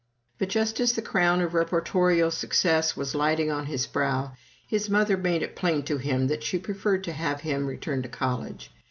But just as the crown of reportorial success was lighting on his brow, his mother made it plain to him that she preferred to have him return to college.